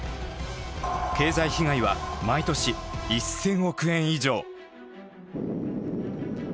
経済被害は毎年１，０００億円以上。